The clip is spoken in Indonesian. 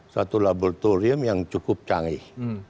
satu laboratorium yang cukup canggih